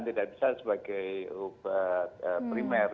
tidak bisa sebagai obat primer